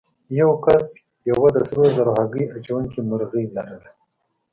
یو کس یوه د سرو زرو هګۍ اچوونکې مرغۍ لرله.